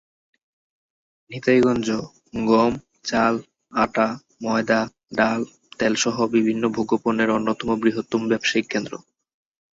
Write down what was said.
নিতাইগঞ্জ গম, চাল, আটা, ময়দা, ডাল, তেলসহ বিভিন্ন ভোগ্যপণ্যের অন্যতম বৃহত্তম ব্যবসায়িক কেন্দ্র।